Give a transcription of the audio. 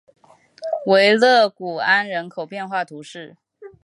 维勒古安人口变化图示